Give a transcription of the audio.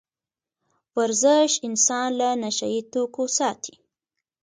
ورزش انسان له نشه يي توکو ساتي.